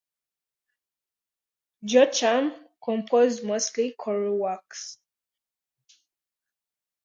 Jochum composed mostly choral works.